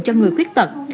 cho người khuyết tật